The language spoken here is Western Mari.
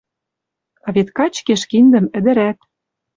А вет качкеш киндӹм ӹдӹрӓт.